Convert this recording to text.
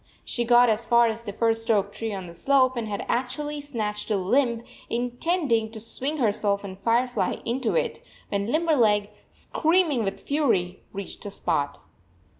She got as far as the first oak tree on the slope and had actually snatched a limb, intending to swing herself and Firefly into it, when Limberleg, screaming with fury, reached the spot.